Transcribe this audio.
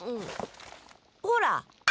ほら！